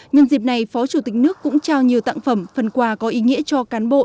nhân dịp này phó chủ tịch nước cũng trao nhiều tặng phẩm phần quà có ý nghĩa cho cán bộ